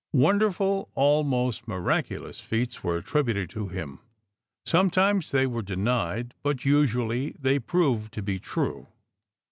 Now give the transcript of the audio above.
Wonderful, almost miraculous, feats were attributed to him. Sometimes they were denied; but usually they proved to be true.